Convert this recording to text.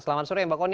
selamat sore mbak koni